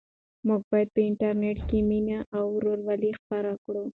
موږ باید په انټرنيټ کې مینه او ورورولي خپره کړو.